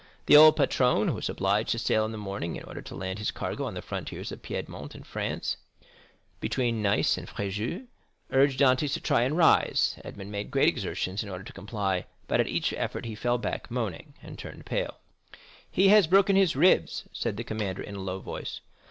The old patron, who was obliged to sail in the morning in order to land his cargo on the frontiers of Piedmont and France, between Nice and Fréjus, urged Dantès to try and rise. Edmond made great exertions in order to comply; but at each effort he fell back, moaning and turning pale. "He has broken his ribs," said the commander, in a low voice.